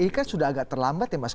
ini kan sudah agak terlambat ya mas